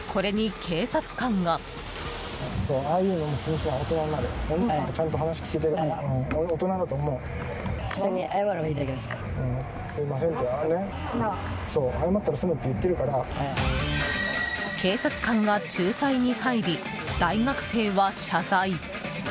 警察官が仲裁に入り大学生は謝罪。